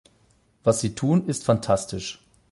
Was sie tun, ist fantastisch.